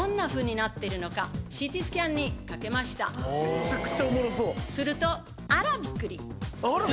めちゃくちゃおもろそう。